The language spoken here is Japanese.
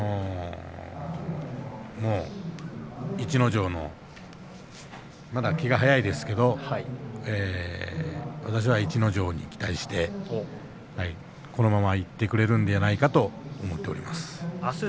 もう逸ノ城のまだ気が早いですけど私は逸ノ城に期待してこのままいってくれるんじゃないかなと思っております。